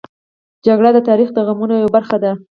جګړه د تاریخ د غمونو یوه برخه ده